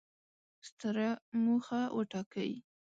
ستره موخه وټاکئ!